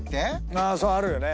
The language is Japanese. ああそうあるよね